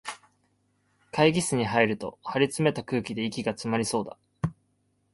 会議室に入ると、張りつめた空気で息がつまりそうだ